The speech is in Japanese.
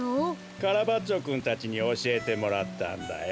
カラバッチョくんたちにおしえてもらったんだよ。